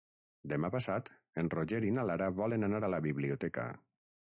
Demà passat en Roger i na Lara volen anar a la biblioteca.